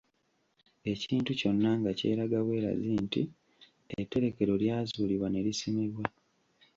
Ekintu kyonna nga kyeraga bwerazi nti etterekero lyazuulibwa ne lisimibwa.